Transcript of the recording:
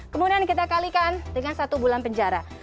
kemudian kita kalikan dengan satu bulan penjara